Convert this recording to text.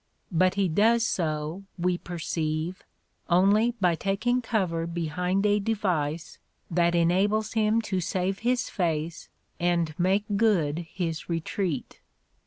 But he ^does so, we perceive, only by taking cover behind a device that enables him to save his face and make good his retreat.